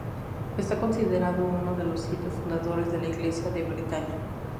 Está considerado uno de los siete fundadores de la iglesia de Bretaña.